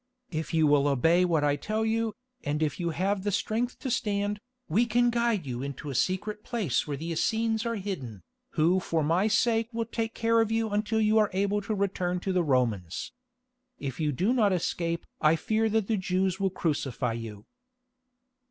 If you will obey what I tell you, and if you have the strength to stand, we can guide you into a secret place where the Essenes are hidden, who for my sake will take care of you until you are able to return to the Romans. If you do not escape I fear that the Jews will crucify you."